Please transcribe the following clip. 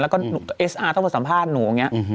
แล้วก็สำหรับสัมภาษณ์หนูอย่างนี้